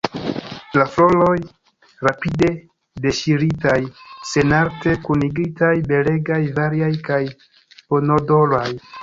La floroj, rapide deŝiritaj, senarte kunigitaj, belegaj, variaj kaj bonodoraj.